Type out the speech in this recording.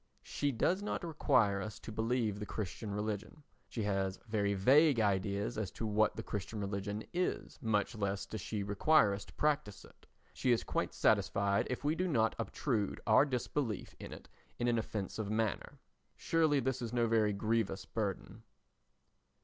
She does not require us to believe the Christian religion, she has very vague ideas as to what the Christian religion is, much less does she require us to practise it. She is quite satisfied if we do not obtrude our disbelief in it in an offensive manner. Surely this is no very grievous burden.